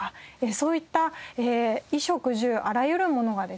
そういった衣食住あらゆるものがですね